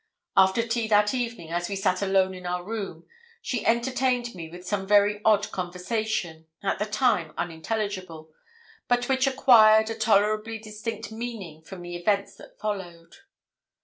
After tea that evening, as we sat alone in our room, she entertained me with some very odd conversation at the time unintelligible but which acquired a tolerably distinct meaning from the events that followed.